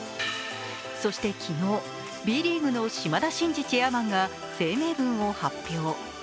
そして、昨日Ｂリーグの島田慎二チェアマンが声明文を発表。